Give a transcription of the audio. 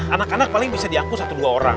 anak anak paling bisa diangkut satu dua orang